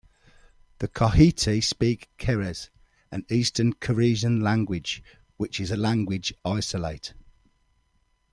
The Cochiti speak Keres, an eastern Keresan language, which is a language isolate.